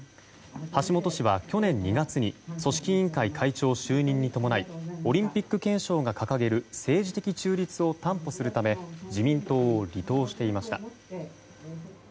橋本氏は去年２月に組織委員会会長就任に伴いオリンピック憲章が掲げる政治的中立を担保するため自民党を離党していました。